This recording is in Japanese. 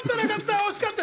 惜しかった！